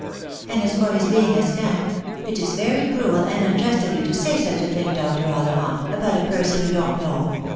And as for his being a scamp, it is very cruel and unjust of you to say such a thing, Dr. Ollivant, about a person you don't know.